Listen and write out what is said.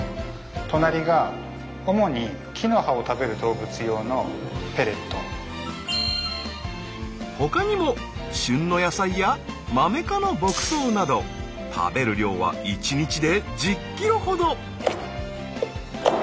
隣がほかにも旬の野菜やマメ科の牧草など食べる量は１日で１０ｋｇほど。